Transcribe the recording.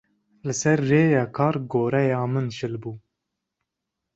Li ser rêya kar goreya min şil bû.